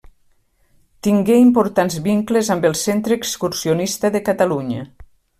Tingué importants vincles amb el Centre Excursionista de Catalunya.